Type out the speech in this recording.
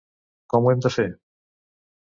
Com ho hem de fer?